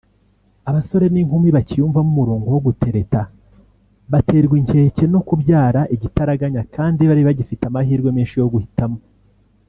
Abasore ninkumi bacyiyumvamo umurongo wo gutereta baterwa inkeke no kubyara igitaraganya kandi bari bagifite amahirwe meshi yo guhitamo